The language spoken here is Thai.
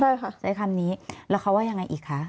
ใช่ค่ะใช้คำนี้แล้วเขาว่ายังไงอีกคะ